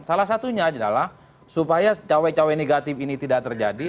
salah satunya adalah supaya cawe cawe negatif ini tidak terjadi